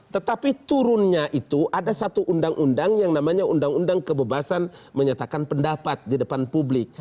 tetapi turunnya itu ada satu undang undang yang namanya undang undang kebebasan menyatakan pendapat di depan publik